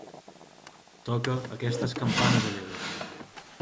Toca aquestes campanes alegres.